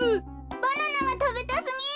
バナナがたべたすぎる。